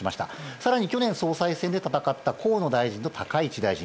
更に、去年総裁選で戦った河野大臣と高市大臣